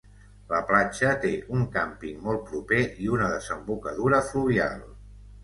La platja té un càmping molt proper i una desembocadura fluvial.